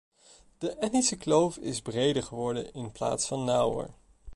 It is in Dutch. De etnische kloof is breder geworden in plaats van nauwer.